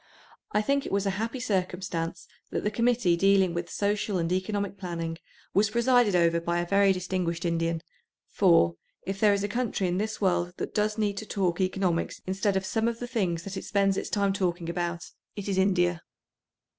I think it was a happy circumstance that the Committee dealing with social and economic planning was presided over by a very distinguished Indian, for, if there is a country in this world that does need to talk economics instead of some of the things that it spends its time talking about, it is India.